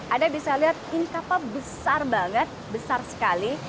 anda bisa lihat ini kapal besar banget besar sekali